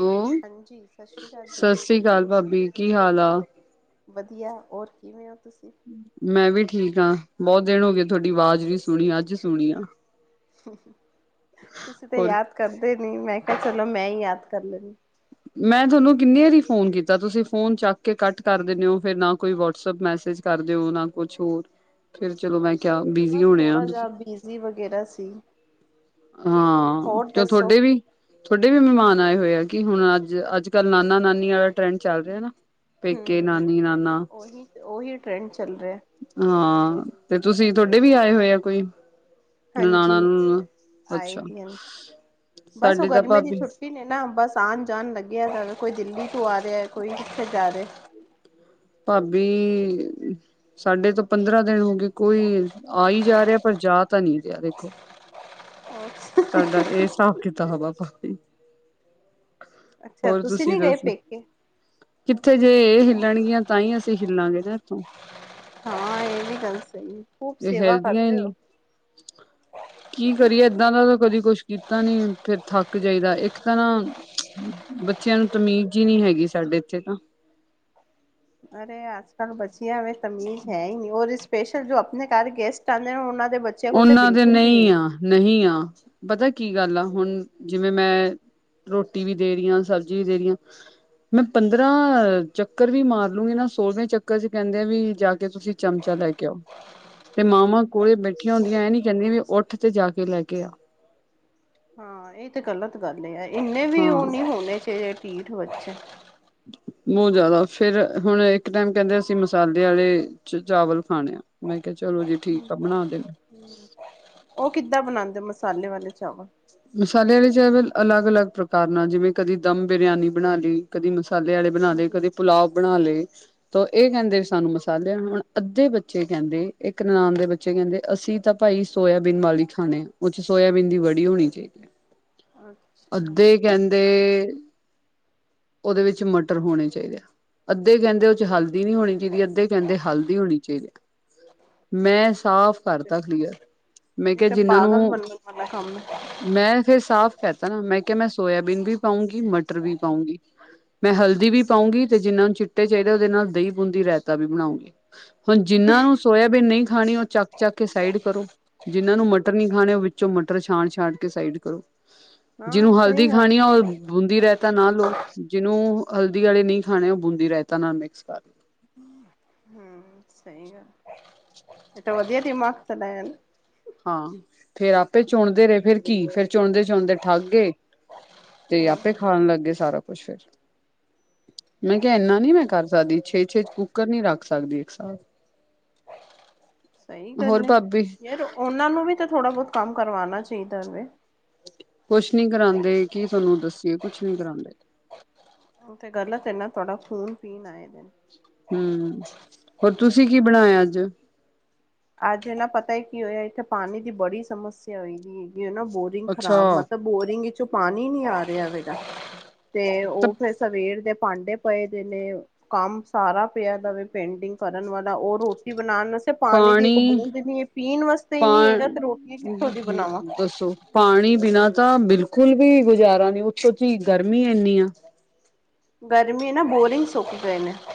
Hello, ਹਾਂਜੀ, ਸਤਿ ਸ਼੍ਰੀ ਅਕਾਲ ਜੀ। ਸਤਿ ਸ਼੍ਰੀ ਅਕਾਲ ਭਾਬੀ, ਕੀ ਹਾਲ ਆ? ਵਧੀਆ, ਔਰ ਕਿਵੇਂ ਓ ਤੁਸੀ? ਮੈਂ ਵੀ ਠੀਕ ਆਂ। ਬੋਤ ਦਿਨ ਹੋ ਗਏ ਥੋਡੀ ਵਾਜ ਵੀ ਨੀ ਸੁਣੀ ਅੱਜ ਸੁਣੀ ਆ। ਤੁਸੀ ਤੇ ਹੋਰ ਯਾਦ ਕਰਦੇ ਨੀ ਮੈਂ ਕੇਆ ਚਲੋ ਮੈਂ ਈ ਯਾਦ ਕਰ ਲੈਨੀ ਆਂ। ਮੈਂ ਤੋਨੂੰ ਕਿੰਨੀ ਵਾਰੀ ਫੋਨ ਕੀਤਾ। ਤੁਸੀ ਫੋਨ ਚੱਕ ਕੇ ਕੱਟ ਕਰ ਦਿਨੇ ਓ ਫੇਰ ਨਾ ਕੋਈ ਵੋਟਸ ਅਪ ਮੈਸੇਜ ਕਰਦੇ ਓ ਨਾ ਕੁਛ ਹੋਰ। ਫਿਰ ਚਲੋ ਮੈਂ ਕੇਆ ਬਿਜੀ਼ ਹੋਣੇ ਆ ਤੁਸੀ। ਜੀ ਵਗੈਰਾ ਸੀ। ਹਾਂ, ਹੋਰ ਕਿਓਂ ਦੱਸੋ ਥੋਡੇ ਵੀ। ਥੋਡੇ ਵੀ ਮੇਹਮਾਨ ਆਏ ਹੋਏ ਆ ਕਿ ਹੁਣ ਅੱਜ ਅੱਜ ਕੱਲ ਨਾਨਾ ਨਾਨੀ ਆਲਾ ਟਰੈਂਡ ਚੱਲ ਰੇਆ ਨਾ। ਪੇਕੇ ਹੂੰ, ਨਾਨੀ ਨਾਨਾ ਓਹੀ-ਓਹੀ ਟਰੈਂਡ ਚੱਲ ਰੇਆ ਐ। ਹਾਂ, ਤੇ ਤੁਸੀ ਤੋਡੇ ਵੀ ਆਏ ਹੋਏ ਆ ਕੋਈ। ਨਨਾਣਾ ਹਾਂਜੀ, ਨੂੰਣਾ ਆਏ ਅੱਛਾ ਦੀਆਂ ਨ। ਬਸ ਓ ਸਾਡੇ ਤਾਂ ਗਰਮੀਆਂ ਦੀ ਭਾਬੀ ਛੁੱਟੀ ਨੇ ਨਾ ਬਸ। ਆਨ ਜਾ ਲੱਗੇਆ ਦਾ। ਕੋਈ ਦਿੱਲੀ ਤੋਂ ਆ ਰੇਆ ਏ ਕੋਈ ਕਿੱਥੇ ਜਾ ਰੇ। ਭਾਬੀ। ਸਾਡੇ ਤੋ ਪੰਦਰਾਂ ਦਿਨ ਹੋ ਗਏ ਕੋਈ ਆਈ ਜਾ ਰੇਆ ਪਰ ਜਾ ਤਾ ਨੀ ਰੇਆ ਦੇਖੋ। ਅੱਛਾ। ਸਾਡਾ ਏ ਸਾਬ ਕਿਤਾਬ ਆ ਭਾਬੀ। ਅੱਛਾ ਹੋਰ ਤੁਸੀਂ ਤੁਸੀ ਨੀ ਗਏ ਦੱਸੋ। ਪੇਕੇ ਕਿੱਥੇ ਜੇ ਇਹ ਹਿੱਲਣਗੀਆਂ, ਤਾਂ ਹੀ ਅਸੀਂ ਹਿੱਲਾਂਗੇ ਨਾ ਇੱਥੋਂ। ਹਾਂ, ਇਹ ਵੀ ਗੱਲ ਸਹੀ ਹੈ! ਖੂਬ ਇਹ ਸੇਵਾ ਹਿਲਦੀਆਂ ਹੀ ਕਰਦੇ ਹੋ। ਨਹੀਂ ਕੀ ਕਰੀਏ, ਏਦਾਂ ਦਾ ਤਾਂ ਕਦੀ ਕੁਛ ਕੀਤਾ ਨੀ, ਫੇਰ ਥੱਕ ਜਾਈਦਾ ਇੱਕ ਤਾਂ ਨਾ ਬੱਚਿਆਂ ਨੂੰ ਤਮੀਜ਼ ਈ ਨੀ ਹੈਗੀ ਸਾਡੇ ਇੱਥੇ ਤਾਂ। ਅਰੇ, ਅੱਜ-ਕੱਲ੍ਹ ਬੱਚਿਆ ਵਿੱਚ ਤਮੀਜ਼ ਹੈ ਈ ਨਹੀਂ, ੳ ਰਿਸਪੈਕਟ ਸਪੈਸ਼ਲ ਜੋ ਆਪਣੇ ਘਰ ਗੈਸਟ ਆਉਂਦੇ ਨੇ, ਉਹਨਾਂ ਦੇ ਬੱਚੇ ਉਹਨਾਂ ਦੇ ਨਹੀਂ ਆ, ਨਹੀਂ ਆ, ਪਤਾ ਕੀ ਗੱਲ ਆ, ਹੁਣ ਜਿਵੇਂ ਮੈਂ ਰੋਟੀ ਵੀ ਦੇ ਰਹੀਆਂ, ਸਬਜ਼ੀ ਵੀ ਦੇ ਰਹੀਆਂ ਮੈਂ ਪੰਦਰਾਂ ਚੱਕਰ ਵੀ ਮਾਰ ਲੂੰਗੀ ਨਾ, ਸੋਲਵੇਂ ਚੱਕਰ 'ਚ ਕਹਿੰਦੇ ਆ ਵੀ ਜਾ ਕੇ ਤੁਸੀਂ ਚਮਚਾ ਲੈ ਕੇ ਆਓ, ਤੇ ਮਾਵਾਂ ਕੋਲੇ ਬੈ ਠੀਆ ਹੁੰਦੀਆਂ, ਇਹ ਨੀ ਕਹਿੰਦਿਆ ਵੀ ਉੱਠ ਤੇ ਜਾ ਕੇ ਲੈ ਕੇ ਆ! ਹਾਂ, ਇਹ ਤੇ ਗ਼ਲਤ ਗੱਲ ਏ ਆ! ਇੰਨੇ ਵੀ ਉਹ ਹਾਂ। ਨੀ ਹੋਣੇ ਚਾਹੀਦੇ ਢੀਠ ਬੱਚੇ। ਬਹੁਤ ਜ਼ਿਆਦਾ! ਫੇਰ ਹੁਣ ਇੱਕ ਟਾਈਮ ਕਹਿੰਦੇ ਅਸੀਂ ਮਸਾਲੇ ਆਲੇ ਚ ਚਾਵਲ ਖਾਣੇ ਆ। ਮੈਂ ਕਿਹਾ, ਚਲੋ ਜੀ, ਠੀਕ ਆ, ਬਣਾ ਦੇਣੇ। ਉਹ ਕਿੱਦਾਂ ਬਣਾਂਦੇ ਮਸਾਲੇ ਵਾਲੇ ਚਾਵਲ? ਮਸਾਲੇ ਵਾਲੇ ਚਾਵਲ ਅਲੱਗ-ਅਲੱਗ ਪ੍ਰਕਾਰ ਨਾਲ ਜਿਵੇਂ ਕਦੀ ਦਮ ਬਰਿਆਨੀ ਬਣਾ ਲਈ, ਕਦੀ ਮਸਾਲੇ ਵਾਲੇ ਬਣਾ ਲੇ, ਕਦੇ ਪੁੱਲਾਓ ਬਣਾ ਲਏ। ਤੋ ਇਹ ਕਹਿੰਦੇ ਵੀ ਸਾਨੂੰ ਮਸਾਲਿਆ ਹੁਣ ਅੱਧੇ ਬੱਚੇ ਕਹਿੰਦੇ, ਇੱਕ ਨਨਾਣ ਦੇ ਬ ਬੱਚੇ ਕਹਿੰਦੇ, ਅਸੀਂ ਤਾਂ ਭਾਈ ਸੋਇਆਬੀਨ ਨਾਲ ਈ ਖਾਣੇ, ਓਦੇ 'ਚ ਸੋਇਆਬੀਨ ਦੀ ਵੜੀ ਹੋਣੀ ਠੀਕ ਹੈ, ਅੱਛਾ। ਅੱਧੇ ਕਹਿੰਦੇ ਉਹਦੇ ਵਿੱਚ ਮਟਰ ਹੋਣੇ ਚਾਹੀਦੇ ਆ, ਅੱਧੇ ਕਹਿੰਦੇ ਉ 'ਚ ਹਲਦੀ ਨੀ ਹੋਣੀ ਚਾਹੀਦੀ ਅੱਧੇ ਕਹਿੰਦੇ ਹਲਦੀ ਹੋਣੀ ਚਾਹੀਦੀ ਹੈ। ਮੈਂ ਸਾਫ਼ ਕਰਤਾ, ਕਲੀਅਰ, ਮੈਂ ਇਹ ਕਿਹਾ, ਤਾਂ ਜਿਨਾਂ ਪਾਗਲ ਨੂੰ [unintelligible] ਕੰਮ ਮੈਂ ਫੇਰ ਸਾਫ਼ ਕਹਿਤਾ ਨਾ, ਮੈਂ ਕਿਹਾ ਮੈਂ ਸੋਇਆਬੀਨ ਵੀ ਪਾਊਂਗੀ ਮਟਰ ਵੀ ਪਾਊਂਗੀ। ਮੈਂ ਹਲਦੀ ਵੀ ਪਾਉਂਗੀ, ਤੇ ਜਿੰਨਾ ਨੂੰ ਚਿੱਟੇ ਚਾਹੀਦੇ ਉਹਦੇ ਨਾਲ ਦਹੀਂ ਬੂੰਦੀ ਰਾਇਤਾ ਵੀ ਬਣਾਉਂਗੀ। ਹੁਣ ਜਿਨਾਂ ਨੂੰ ਸੋਇਆਬੀਨ ਨਹੀਂ ਖਾਣੀ, ਉਹ ਚੱਕ-ਚੱਕ ਕੇ ਸਾਈਡ ਕਰੋ, ਜਿਹਨਾਂ ਨੂੰ ਮਟਰ ਨਹੀਂ ਖਾਣੇ, ਉਹ ਵਿੱਚੋਂ ਮਟਰ ਛਾਣ-ਛਾਣ ਸਾਈਡ ਕਰੋ, ਹਾਂ ਜਿਹਨੂੰ ਹਲਦੀ ਸਹੀ ਗੱਲ ਖਾਣੀ ਆ ਉਹ ਬੂੰਦੀ ਰਾਇਤਾ ਨਾ ਲੋਓ, ਜਿਹਨੂੰ ਹਲਦੀ ਵਾਲੇ ਨਹੀਂ ਖਾਣੇ ਉਹ ਬੂੰਦੀ ਰਾਇਤਾ ਨਾਲ ਮਿਕਸ ਕਰਲੋ। ਹਮ, ਸਹੀ ਗੱਲ! ਇਹ ਤਾਂ ਵਧੀਆ ਦਿਮਾਗ਼ ਤੁਹਾਡਾ ਯਾਰ। ਹਾਂ, ਫੇਰ ਆਪੇ ਚੁਣਦੇ ਰਹੇ ਫੇਰ ਕੀ ਫੇਰ ਚੁਣਦੇ-ਚੁਣਦੇ ਥੱਕ ਗਏ, ਤੇ ਹੂੰ ਆਪੇ ਖਾਣ ਲੱਗ ਗਏ ਸਾਰਾ ਕੁਛ ਫੇਰ। ਮੈਂ ਕਿਹਾ, ਇਨ੍ਹਾਂ ਨੀ ਮੈਂ ਕਰ ਸਕਦੀ, ਛੇ-ਛੇ ਕੁੱਕਰ ਨੀ ਰੱਖ ਸਕਦੀ ਇੱਕ ਸਾਥ। [unintelligible] ਸਹੀ ਗੱਲ ਹੋਰ ਏ, ਭਾਬੀ ਯਾਰ ਉਹਨਾਂ ਨੂੰ ਵੀ ਤਾਂ ਥੋੜ੍ਹਾ-ਬਹੁਤ ਕੰਮ ਕਰਵਾਉਣੇ ਚਾਹੀਦਾ ਵੇ। ਕੁਛ ਨੀ ਕਰਾਂਦੇ, ਕੀ ਤੁਹਾਨੂੰ ਦੱਸੀਏ, ਕੁਛ ਨੀ ਕਰਾਂਦੇ। ਐ ਤੇ ਗਲਤ ਏ ਨਾ, ਤੁਹਾਡਾ ਖੂਨ ਪੀਣ ਆਏ ਦੇ। ਹੂੰ, ਹੋਰ ਤੁਸੀਂ ਕੀ ਬਣਾਇਆ ਅੱਜ? ਅੱਜ ਇਹ ਨਾ ਪਤਾ ਹੀ ਕੀ ਹੋਇਆ, ਇੱਥੇ ਪਾਣੀ ਦੀ ਬੜੀ ਸਮੱਸਿਆ ਹੋਈ ਦੀ ਹੈਗੀ ਨਾ, ਐ ਨਾ ਬੋਰਿੰਗ ਅੱਛਾ ਖ਼ਰਾਬ ਮਤਲਬ ਬੋਰਿੰਗ ਵਿੱਚੋਂ ਪਾਣੀ ਨੀ ਆ ਰਿਹਾ ਹੈਗਾ, ਤੇ ਤਾਂ ਉਹ ਫੇਰ ਸਵੇਰ ਦੇ ਭਾਂਡੇ ਪਏ ਦੇ ਨੇ ਕੰਮ ਸਾਰਾ ਪਿਆ ਦੇ ਵੇ ਪੇਂਡਿੰਗ ਕਰਨ ਵਾਲਾ ਉਹ ਰੋਟੀ ਬਣਾਉਣ ਵਸੇ ਪਾਣੀ ਦੀ ਇਕ ਬੁੰਦ ਨੀ ਐ, ਪੀਣ ਵਾਸਤੇ ਹੀ ਪਾ ਨੀ ਹੈਗਾ, ਤੇ ਰੋਟੀ ਕਿੱਥੋਂ ਦੀ ਬਣਾਵਾਂ। ਦੱਸੋ ਪਾਣੀ ਬਿਨਾ ਤਾਂ ਬਿਲਕੁਲ ਵੀ ਗੁਜ਼ਾਰਾ ਨੀ ਉੱਤੋਂ ਦੀ ਗਰਮੀ ਇੰਨੀ ਆ। ਗਰਮੀ ਨਾ ਬੋਰਿੰਗ ਸ [unintelligible]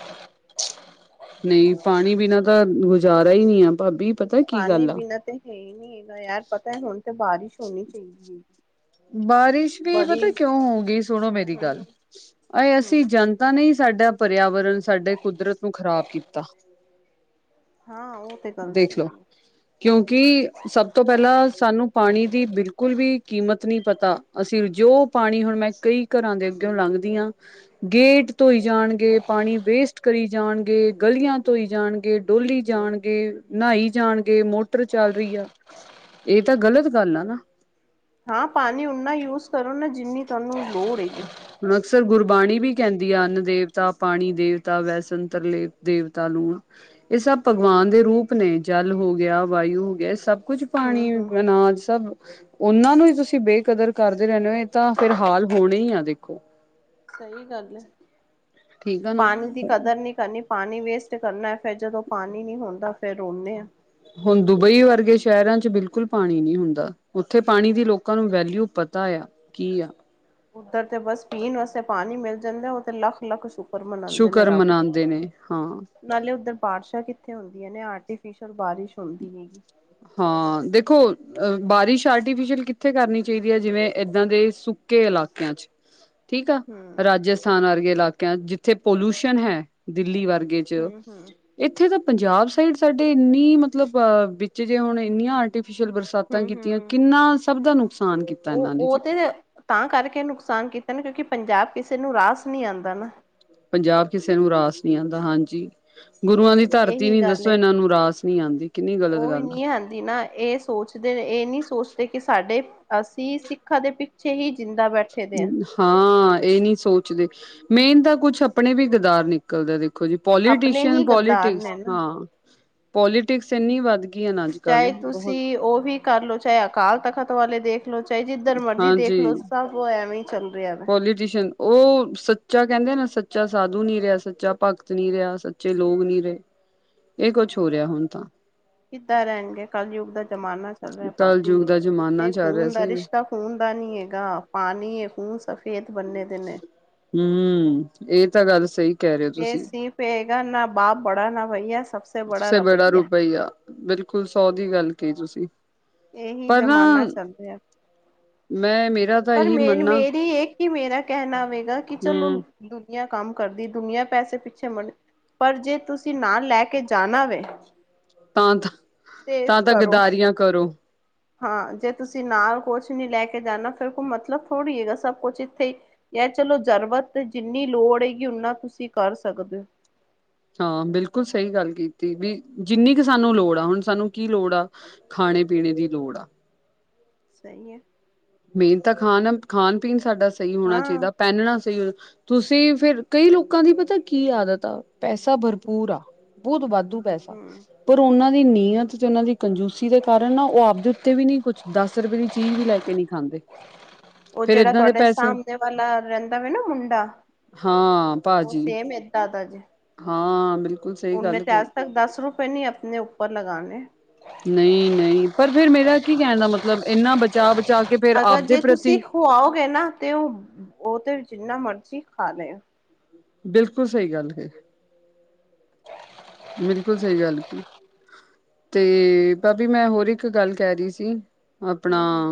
ਨਈ ਪਾਣੀ ਬਿਨਾ ਤਾਂ ਗੁਜ਼ਾਰਾ ਈ ਨੀ ਆ ਭਾਬੀ। ਪਤਾ ਕੀ ਪਾਣੀ ਗੱਲ ਆ। ਬਿਨਾਂ ਤੇ ਹੈ ਈ ਨੀ ਏ ਯਾਰ ਪਤਾ ਹੁਣ ਤੇ ਬਾਰਿਸ਼ ਹੋਣੀ ਚਾਈਦੀ [unintelligible] ਬਾਰਿਸ਼ ਵੀ ਪਤਾ ਕਿਉਂ ਹੋਊਗੀ ਸੁਣੋ ਮੇਰੀ ਗੱਲ ਹਮ ਆਏ ਅਸੀਂ ਹਮ ਜਾ ਨਤਾ ਨੇ ਈ ਸਾਡਾ ਪਰਿਆਵਰਨ ਸਾਡੇ ਕੁਦਰਤ ਨੂੰ ਖ਼ਰਾਬ ਕੀਤਾ। ਹਾਂ ਉਹ ਤੇ ਗੱਲ ਸਹੀ ਦੇਖਲੋ ਹੈ ਕਿਉਂਕਿ ਸਭ ਤੋਂ ਪੈਲਾਂ ਸਾਨੂੰ ਪਾਣੀ ਦੀ ਬਿਲਕੁਲ ਵੀ ਕੀਮ ਤ ਨੀ ਪਤਾ ਅਸੀਂ ਜੋ ਪਾਣੀ ਹੁਣ ਮੈਂ ਕਈ ਘਰਾਂ ਦੇ ਅੱਗੇਓ ਲੰਘਦੀ ਆ ਗੇਟ ਧੋਈ ਜਾਣਗੇ, ਪਾਣੀ ਵੇਸਟ ਕਰੀ ਜਾਣਗੇ, ਗਲੀਆਂ ਧੋਈ ਜਾਣਗੇ ਡੋਲੀ ਜਾਣਗੇ ਨਾਈ ਜਾਣਗੇ ਮੋਟਰ ਚੱਲ ਰੀਆ। ਏ ਤਾਂ ਗ਼ਲਤ ਗੱਲ ਆ ਨਾ। ਹਾਂ ਪਾਣੀ ਉਨਾ ਯੂਜ ਕਰੋ, ਨਾ ਜਿੰਨੀ ਤੁਹਾਨੂੰ ਲੋੜ ਹੈਗੀ। ਹੁਣ ਅਕਸਰ ਗੁਰਬਾਣੀ ਵੀ ਕੈਂਦੀ ਆ ਅੰਨ ਦੇਵਤਾ, ਪਾਣੀ ਦੇਵਤਾ, ਵੈਸਤਰਲਵ ਦੇਵਤਾ ਲੂ ਏ ਸਭ ਭਗਵਾਨ ਦੇ ਰੂਪ ਨੇ ਜਲ ਹੋ ਗਿਆ, ਵਾਯੂ ਹੋ ਗਿਆ ਸਭ ਕੁਝ ਹੂੰ ਪਾਣੀ, ਹੂੰ ਅਨਾਜ। ਸਭ ਓਨਾਂ ਨੂੰ ਈ ਤੁਸੀਂ ਬੇਕਦਰ ਕਰਦੇ ਰੈਨੇ ਓ ਏ ਤਾਂ ਫਿਰ ਹਾਲ ਹੋਣੇ ਈ ਆ ਦੇ [unintelligible] ਸਈ ਗੱਲ ਐ, ਨਾ ਪਾਣੀ ਦੀ ਕਦਰ ਨੀ ਕਰਨੀ ਪਾਣੀ ਵੇਸਟ ਕਰਨਾ ਫੇਰ ਜਦੋਂ ਪਾਣੀ ਨੀ ਹੁੰਦਾ ਫੇਰ ਰੋਂਨੇ ਆ ਹੁਣ ਦੁਬਈ ਵਰਗੇ ਸ਼ੈਰਾਂ ਚ ਬਿਲਕੁਲ ਪਾਣੀ ਨੀ ਹੁੰਦਾ। ਉੱਥੇ ਪਾਣੀ ਦੀ ਲੋਕਾਂ ਨੂੰ ਵੈਲਿਊ ਪ ਤਾ ਆ ਕੀ ਆ। ਉੱਧਰ ਤੇ ਬਸ ਪੀਣ ਵਾਸਤੇ ਪਾਣੀ ਮਿਲ ਜਾਂਦਾ ਓ ਤੇ ਲੱਖ-ਲੱਖ ਸੁੱ ਸ਼ੁਕਰ ਮਨਾਂਦੇ ਨੇ ਹਾਂ। ਨਾਲੇ ਉੱਧਰ ਬਾਰਿਸ਼ਾਂ ਕਿੱਥੇ ਹੁੰਦੀਆਂ ਨੇ ਆਰਟੀਫਿਸ਼ਲ ਬਾਰਿਸ਼ ਹੁੰਦੀ ਹੈਗੀ। ਹਾਂ ਦੇਖੋ ਅ ਬਾਰਿਸ਼ ਆਰਟੀਫਿਸ਼ਅਲ ਕਿੱਥੇ ਕਰਨੀ ਚਾਈਦੀ ਆ ਜਿਵੇਂ ਏਦਾਂ ਦੇ ਸੁ ਕੇ ਇਲਾਕਿਆਂ ਚ। [inaudible] ਠੀਕ ਆ ਹੂੰ। ਰਾਜਸਥਾਨ ਵਰਗੇ ਇਲਾਕਿਆਂ ਜਿੱਥੇ ਪੋਲੂਸ਼ਨ ਹੈ ਦਿੱਲੀ ਵਰਗੇ ਚ ਹੂੰ ਹੂੰ ਇੱਥੇ ਤਾਂ ਪੰਜਾਬ ਸਾਈਡ ਸਾਡੇ ਇੰਨੀ ਮਤਲਬ ਅ ਵਿਚ ਜੇ ਹੁਣ ਇੰਨੀਆਂ ਆਰਟੀਫਿਸ਼ਲ ਬਰਸਾਤਾਂ ਕੀਤੀਆਂ ਕਿੰਨਾ ਸਭ ਦਾ ਨੁਕਸਾਨ ਕੀ ਓ-ਓ ਤੇ ਤਾਂ ਕਰਕੇ ਨੁਕਸਾਨ ਕੀਤਾ ਨਾ ਕਿਉਂਕਿ ਪੰਜਾਬ ਕਿਸੇ ਨੂੰ ਰਾਸ ਨੀ ਆਂਦਾ ਨਾ। ਪੰਜਾਬ ਕਿਸੇ ਨੂੰ ਰਾਸ ਨੀ ਆਂਦਾ ਹਾਂਜੀ ਗੁਰੂਆਂ ਦੀ ਧਰਤੀ ਇਹੀ ਨੀ ਗੱਲ ਹੈ ਦੱਸੋ ਏਨਾਂ ਨੂੰ ਰਾਸ ਨੀ ਆਂਦੀ ਕਿੰਨੀ ਗਲਤ ਉਹ ਗੱਲ ਆ। ਨਹੀਂ ਆਂਦੀ ਨਾ ਏ ਸੋਚਦੇ ਏ ਨੀ ਸੋਚਦੇ ਕੀ ਸਾਡੇ ਅਸੀਂ ਸਿੱਖਾਂ ਦੇ ਪਿੱਛੇ ਹੀ ਜਿੰਦਾ ਬੈਠੇ ਦੇ ਐ। ਹਾਂ ਏ ਨੀ ਸੋਚਦੇ ਮੇਨ ਤਾਂ ਕੁਛ ਆਪਣੇ ਵੀ ਗਦਾਰ ਨੇ ਕਲਦਾ ਦੇਖੋ ਜੀ ਆਪਣੇ ਪੋਲੀਟੀਸੀਅਨ, ਹੀ ਗੱਦਾਰ ਪੋਲੀਟਿਕਸ ਨੇ ਨਾ ਹਾਂ ਪੋਲੀਟਿਕਸ ਇੰਨੀ ਵੱਧ ਗਈ ਹੈ ਨਾ ਅੱਜ ਕੱਲ ਚਾਏ ਬਹੁਤ ਤੁਸੀਂ ਓ ਵੀ ਕਰਲੋ ਚਾਏ ਅਕਾਲ ਤਖ਼ਤ ਵਾਲੇ ਦੇਖ ਲੋ ਚਾਏ ਜਿੱਧਰ ਮਰਜ਼ੀ ਹਾਂਜੀ ਦੇਖਲੋ ਸਭ ਓ ਐਵੇਂ ਈ ਚੱਲ ਰਿਆ। ਪੋਲੀਟੀਸ਼ਨ ਓ ਸੱਚਾ ਕੈਂਦੇ ਨਾ ਸੱਚਾ ਸਾਧੂ ਨੀ ਰਿਆ, ਸੱਚਾ ਭਗਤ ਨੀ ਰਿਆ, ਸ ਚੇ ਲੋਗ ਨੀ ਰੇ ਏ ਕੁਛ ਹੋ ਰਿਆ ਹੁਣ ਤਾਂ। ਕਿੱਦਾਂ ਰੈਣਗੇ ਕੱਲਯੁੱਗ ਦਾ ਜ਼ਮਾਨਾ ਚੱਲ ਰਿਆ ਕਲ ਭਾਬੀ ਯੁਗ ਦਾ ਜ਼ਮਾਨਾ ਇੱਥੇ ਚੱਲ ਰਿਹਾ ਖੂਨ ਦਾ ਸਹੀ ਰਿਸ਼ਤਾ ਖੂਨ ਦਾ ਨੀ ਹੈਗਾ ਪਾਣੀ ਏ ਖੂਨ ਸਫੇਦ ਬੰਨੇ ਦੇ ਨੇ ਹੂੰ ਏ ਤਾਂ ਗੱਲ ਸਈ ਏ [unintelligible] ਨਾ ਬਾਪ ਬੜਾ ਨਾ ਭਈਆ ਸਭ ਸੇ ਬੜਾ ਰੁਪਈਆ। ਬਿਲਕੁਲ ਸੋ ਦੀ ਗੱਲ ਕੀ ਤੁਸੀਂ ਏਹੀ ਪਰ ਨਾ ਜ਼ਮਾਨਾ ਚੱਲ ਰਆ ਮੈਂ ਮੇਰਾ ਤਾਂ ਪਰ ਇਹੀ ਮੇਨ ਮੰਨਣਾ ਮੇਰੀ ਏ ਕਿ, ਕਿ ਮੇਰਾ ਕਹਿਨ ਆਵੇਗਾ ਕਿ ਚਲੋ ਹੂੰ ਦੁਨੀਆਂ ਕੰਮ ਕਰਦੀ ਦੁਨੀਆਂ ਪੈਸੇ ਪਿੱਛੇ ਮੜ ਪਰ ਜੇ ਤੁਸੀਂ ਨਾਲ ਲੈ ਕੇ ਜਾਣਾ ਵੇ ਤਾਂ। ਤੇ ਤਾਂ, ਤਾਂ ਕਰੋ ਗਦਾਰੀਆਂ ਕਰੋ ਹਾਂ, ਜੇ ਤੁਸੀਂ ਨਾਲ ਕੁਛ ਨੀ ਲੈ ਕੇ ਜਾਨਾ ਫੇਰ ਕੋਈ ਮਤਲਬ ਥੋੜ੍ਹੀ ਹੈਗਾ। ਸਭ ਕੁਛ ਇੱਥੇ ਹੀ ਯ ਚਲੋ ਜ਼ਰੂਰਤ ਤੇ ਜਿੰਨੀ ਲੋੜ ਹੈਗੀ ਓਨਾ ਤੁਸੀਂ ਕਰ ਸਕਦੇ ਓ ਹਾਂ ਬਿਲਕੁਲ ਸਹੀ ਗੱਲ ਕੀਤੀ ਵੀ ਜਿੰਨੀ ਕੁ ਸਾਨੂੰ ਲੋੜ ਆ ਹੁਣ ਸਾਨੂੰ ਕੀ ਲੋੜ ਆ ਖਾਣੇ-ਪੀਣੇ ਦੀ ਲੋੜ ਆ ਸਹੀ ਅ। ਮੇਨ ਤਾਂ ਖਾਣ। ਖਾਨ ਪੀਣ ਸਾਡਾ ਸਹੀ ਹੋਣਾ ਹਾਂ ਚਾਹੀਦਾ ਪਹਿਨਣਾ ਸਹੀ, ਤੁਸੀਂ ਫਿਰ ਕਈ ਲੋਕਾਂ ਦੀ ਪਤਾ ਕੀ ਆਦਤ ਆ ਪੈਸਾ ਭਰਪੂਰ ਆ। ਬਹੁਤ ਵਾਧੂ ਪੈਸਾ, ਹਮ ਪਰ ਉਹਨਾਂ ਦੀ ਨੀਅਤ ਚ ਉਹਨਾਂ ਦੀ ਕੰਜੂਸੀ ਦੇ ਕਾਰਨ ਨਾ ਓਹ ਆਪਦੇ ਉੱਤੇ ਵੀ ਨੀ ਕੁਛ ਦਸ ਰੁਪਏ ਦੀ ਚੀਜ਼ ਵੀ ਲੈ ਕੇ ਨੀ ਖਾਂਦੇ ਓਹ ਫੇਰ ਜੇੜਾ ਏਦਾਂ ਦੇ ਤੁਹਾਡੇ ਪੈਸੇ ਸਾਹਮਣੇ ਵਾਲਾ ਰਹੰਦਾ ਵੇ ਨਾ ਮੁੰਡਾ ਹਾਂ ਉਹ ਪਾਜੀ। ਸੇਮ ਹਾਂ ਬਿਲਕੁਲ ਸਹੀ ਓਨੇ ਗੱਲ ਤੇ ਆਜ ਕਹੀ ਤੱਕ ਦਸ ਰੁਪਏ ਨੀ ਅਪਨੇ ਉੱਪਰ ਲਗਾਨੇ ਨਹੀਂ, ਨਹੀਂ ਪਰ ਫੇਰ ਮੇਰਾ ਕੀ ਕਹਿਣਾ ਮਤਲਬ ਇੰਨਾ ਬਚਾ-ਬਚਾ ਕੇ ਫੇਰ ਆਪਦੇ ਪ੍ਰਤੀ ਹੋ ਆਓਗੇ ਨਾ ਤੇ ਓ, ਓਹ ਤੇ ਜਿੰਨਾ ਮਰਜ਼ੀ ਖਾ ਲੇ ਬਿਲਕੁਲ ਸਹੀ ਗੱਲ ਹੇ। ਬਿਲਕੁਲ ਸਹੀ ਗੱਲ ਕਈ। ਤੇ ਪਾਬੀ ਮੈਂ ਹੋਰ ਇੱਕ ਗੱਲ ਕਹ ਰਹੀ ਸੀ। ਹੂੰ ਆਪਣਾ ਹੂੰ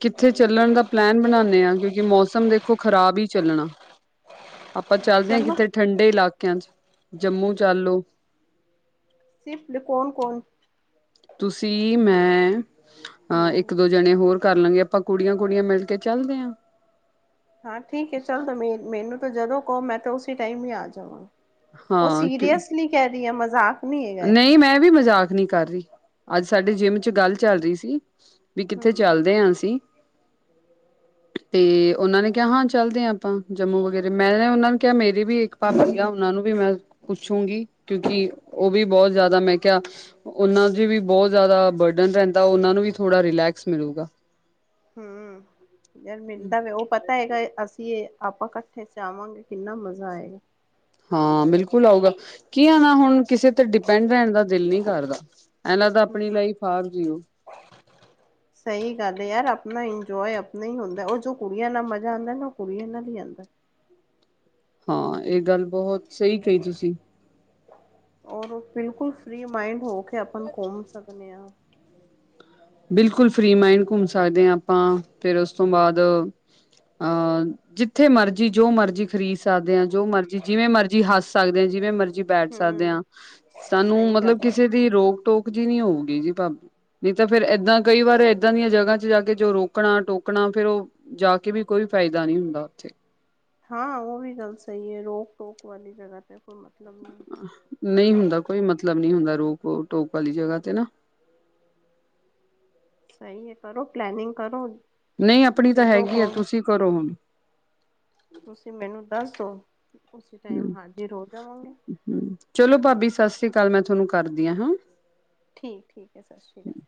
ਕਿੱਥੇ ਚੱਲਨ ਦਾ ਪਲੈਨ ਬਨਾਨੇ ਆ, ਕਿਉਂਕਿ ਮੌਸਮ ਦੇਖੋ ਖ਼ਰਾਬ ਹੀ ਚੱਲਣਾ। ਆਪਾਂ ਚੱਲਦੇ ਹਾਂ, ਚਲੋ ਕਿਤੇ ਠੰਡੇ ਇਲਾਕਿਆਂ ਚ ਜੰਮੂ ਚੱਲ ਲਓ। ਕੌਨ ਕੌਨ। ਤੁਸੀਂ ਮੈਂ ਹੂੰ ਅਹ ਇੱਕ ਹੂੰ ਦੋ ਜਣੇ ਹੋਰ ਕਰ ਲਾਂਗੇ ਆਪਾਂ ਕੁੜੀਆਂ- ਕੁੜੀਆਂ ਮਿਲਕੇ ਚੱਲਦੇ ਹਾਂ। ਹਾਂ, ਠੀਕ ਹੈ ਚੱਲ ਤਾਂ ਮੇ ਮੈਨੂੰ ਤਾਂ ਜਦੋਂ ਕਹੋ ਮੈਂ ਤਾਂ ਉਸੀ ਟਾਈਮ ਹੀ ਆ ਜਾਵਾਂ। ਓਹ ਸੀਰੀਅਸਲੀ ਕਹਿ ਰਹੀ ਅ ਮਜ਼ਾਕ ਨਹੀਂ ਹੈਗਾ। ਨਈ, ਮੈਂ ਵੀ ਮਜ਼ਾਕ ਨਹੀਂ ਕਰ ਰਹੀ। ਅੱਜ ਸਾਡੇ ਜਿੰਮ ਚ ਗੱਲ ਚੱਲ ਰਹੀ ਸੀ। ਵੀ ਕਿੱਥੇ ਹੂੰ ਹੂੰ ਚੱਲਦੇ ਆ ਅਸੀਂ। ਤੇ ਓਨਾਂ ਨੇ ਕਿਹਾ ਹਾਂ ਚੱਲਦੇ ਆ ਆਪਾਂ ਜੰਮੂ ਵਗੈਰੇ ਮੈਂ ਓਨਾਂ ਨੂੰ ਕਿਹਾ ਮੇਰੀ ਵੀ ਇੱਕ ਪਾਬੀ ਆ ਓਨਾਂ ਨੂੰ ਵੀ ਮੈਂ ਪੁੱਛੂਗੀ ਕਿਉਂਕਿ ਉਹ ਵੀ ਬਹੁਤ ਜ਼ਿਆਦਾ ਮੈਂ ਕਿਹਾ ਓਨਾਂ ਚ ਵੀ ਬਹੁਤ ਜ਼ਿਆਦਾ ਬਰਡਨ ਰਹਿੰਦਾ। ਉਹਨਾਂ ਨੂੰ ਵੀ ਥੋੜਾ ਰਿਲੈਕਸ ਮਿਲੂਗਾ। ਹਮ ਯਾਰ ਮਿਲਦਾ ਵੈ ਓਹ ਪਤਾ। ਪਏਗਾ ਏ। ਅਸੀਂ ਆਪਾਂ ਇਕੱਠੇ ਜਾਵਾਂਗੇ ਕਿੰਨਾ ਮਜ਼ਾ ਆਏਗਾ। ਹਾਂ, ਬਿਲਕੁਲ ਆਊਗਾ ਕੀ ਆ ਨਾ ਹੁਨ ਕਿਸੇ ਤੇ ਡਿਪੈਂਡ ਰਹਿਣ ਦਾ ਦਿਲ ਨੀ ਕਰਦਾ। ਐਨਾਂ ਤਾਂ ਆਪਣੀ ਲਾਈਫ ਆਪ ਜੀਓ। ਸਹੀ ਗੱਲ ਐ। ਯਾਰ ਆਪਨਾ ਇੰਜੋਏ ਆਪਨਾ ਹੀ ਹੋਦਾ। ਓਹ ਜੋ ਕੁੜੀਆਂ ਨਾਲ ਮਜ਼ਾ ਆਂਦਾ ਨਾ ਓਹ ਕੁੜੀਆਂ ਨਾਲ ਹੀ ਆਂਦਾ। ਹਾਂ, ਇਹ ਗੱਲ ਬਹੁਤ ਸਹੀ ਕਹੀ ਤੁਸੀਂ। ਔਰ ਓਹ ਬਿਲਕੁਲ ਫ੍ਰੀ ਮਾਈੰਡ ਹੋ ਕੇ ਆਪਣ ਘੁੰਮ ਸਕਦੇ ਹਾਂ। ਬਿਲਕੁਲ ਫਰੀ ਮਾਈੰਨ ਘੁੰਮ ਸਕਦੇ ਆ ਆਪਾਂ। ਫਿਰ ਉਸ ਤੋ ਬਾਅਦ ਅ ਜਿੱਥੇ ਮਰਜੀ ਜੋ ਮਰਜੀ ਖ਼ਰੀਦ ਸਕਦੇ ਆਂ। ਜੋ ਮਰਜੀ ਜਿਵੇਂ ਮਰਜੀ ਹੱਸ ਸਕਦੇ ਆਂ ਜਿਵੇਂ ਮਰਜੀ ਬੈਠ ਸਕਦੇ ਹੂੰ। ਆਂ ਸਾਨੂੰ ਸਹੀ ਮਤਲਬ ਗੱਲ ਹੈ ਕਿਸੇ ਦੀ ਰੋਕ ਟੋਕ ਜੀ ਨੀ ਹੋਊਗੀ ਜੀ ਭਾਬੀ ਤੇ ਫੇਰ ਏਦਾਂ ਕਈ ਵਾਰ ਏਦਾਂ ਦੀਆਂ ਜਗ੍ਹਾ ਚ ਜਾ ਕੇ ਜੋ ਰੋਕਣਾ ਟੋਕਣਾ ਫੇਰ ਓ ਜਾ ਕੇ ਵੀ ਕੋਈ ਫਾਇਦਾ ਨੀ ਹੁੰਦਾ ਓਥੇ। ਹਾਂ, ਓ ਵੀ ਗੱਲ ਸਈ ਐ ਰੋਕ ਟੋਕ ਵਾਲੀ ਜਗਾ ਤੇ ਕੋਈ ਮਤਲਬ ਨਈ। ਨਈ ਹੁੰਦਾ ਕੋਈ ਮਤਲਬ ਨੀ ਹੁੰਦਾ ਰੋਕ- ਟੋਕ ਵਾਲੀ ਜਗ੍ਹਾ ਤੇ ਨਾ। ਸਈ ਐ ਕਰੋ ਪਲੈਨਿੰਗ ਕਰੋ। ਨਈ ਆਪਣੀ ਤਾ ਹੈਗੀ ਆ ਤੁਸੀ ਕਰੋ ਹੁਣ। ਤੁਸੀ ਮੈਨੂੰ ਦੱਸ ਦੋ ਉਸੀ ਟਾਈਮ ਹਮ ਹਾਂਜੀ ਰੋਜ ਜਾਵਾਂਗੇ। ਹਮ ਚਲੋ ਭਾਬੀ ਸਾਸ੍ਰੀਕਾਲ ਮੈਂ ਥਾਨੂੰ ਕਰਦੀ ਆਂ, ਹੁੰ। ਠੀਕ, ਠੀਕ ਐ ਸਾਸ਼੍ਰੀਕਾਲ।